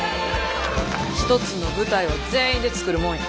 一つの舞台は全員で作るもんや。